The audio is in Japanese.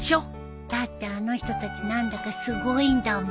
だってあの人たち何だかすごいんだもん。